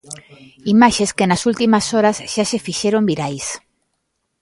Imaxes que nas últimas horas xa se fixeron virais.